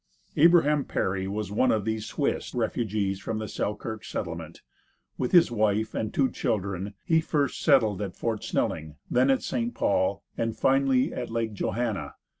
Abraham Perry was one of these Swiss refugees from the Selkirk settlement. With his wife and two children, he first settled at Fort Snelling, then at St. Paul, and finally at Lake Johanna.